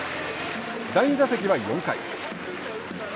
第２打席は、４回。